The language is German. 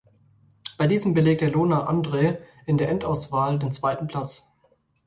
Bei diesem belegte Lona Andre in der Endauswahl den zweiten Platz.